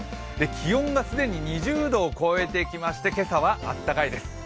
気温が既に２０度を超えてきまして今朝は暖かいです。